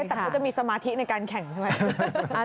แต่เขาจะมีสมาธิในการแข่งใช่ไหม